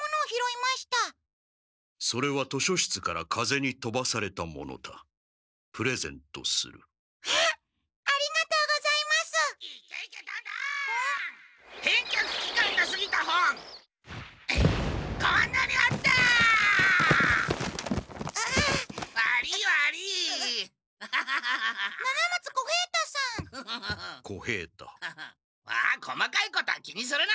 まあ細かいことは気にするな！